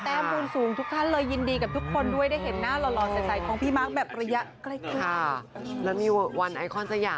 แต้มรวมสูงทุกท่านเลยยินดีกับทุกคนด้วย